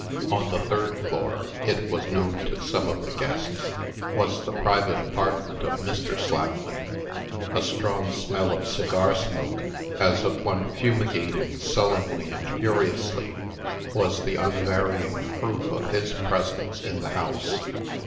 On the third floor (it was known to some of the guests) was the private apartment of Mr. Slapman. A strong smell of cigar smoke, as of one fumigating sullenly and furiously, was the unvarying proof of his presence in the house.